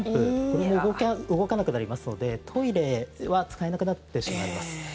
これも動かなくなりますのでトイレは使えなくなってしまいます。